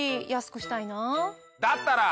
だったら。